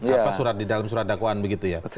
apa surat di dalam surat dakwaan begitu ya